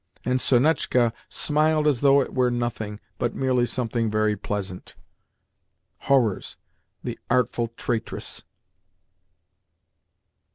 And Sonetchka smiled as though it were nothing, but merely something very pleasant! Horrors! The artful "traitress!"